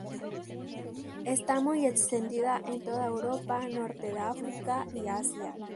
Está muy extendida en toda Europa, norte de África y Asia.